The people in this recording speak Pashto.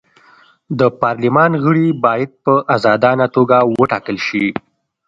د پارلمان غړي باید په ازادانه توګه وټاکل شي.